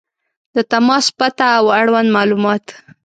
• د تماس پته او اړوند معلومات